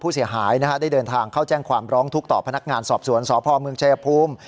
ส่วนทางเขาแจ้งความร้องทุกต่อพนักงานสอบส่วนสพเฉยภูมิ